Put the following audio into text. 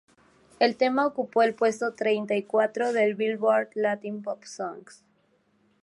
El tema ocupó el puesto treinta y cuatro del "Billboard Latin Pop Songs".